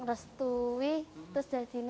perhiasan perhiasan itu mau dipakai dong